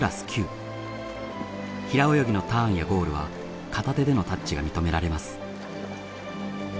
平泳ぎのターンやゴールは片手でのタッチが認められます。